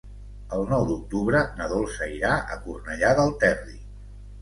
El nou d'octubre na Dolça irà a Cornellà del Terri.